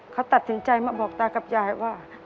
เขาตัดสินใจมาบอกตากับยายว่า